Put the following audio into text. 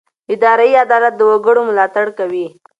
اداري عدالت د وګړو ملاتړ کوي.